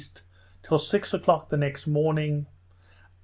till six o'clock the next morning.